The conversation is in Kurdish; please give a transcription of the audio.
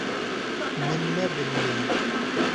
Min nebiriye.